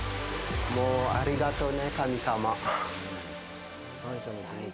ありがとうね、神様。